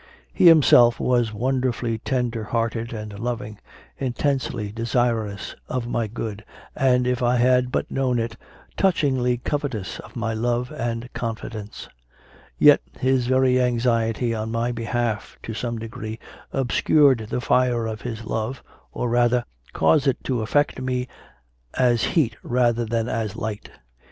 He himself was wonderfully tender hearted and loving, intensely desirous of my good, and, if I had but known it, touchingly covetous of my love and confidence; yet his very anxiety on my be half to some degree obscured the fire of his love, or, rather, caused it to affect me as heat rather than as light.